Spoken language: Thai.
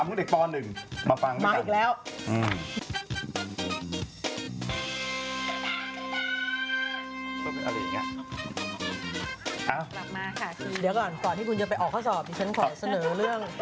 เดี๋ยวก่อนที่คุณจะไปออกข้อสอบฉันขอเสนอเรื่อง